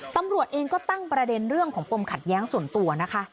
ตำรวจเองก็ตั้งประเด็นเรื่องของปมขัดแย้งส่วนตัวนะคะ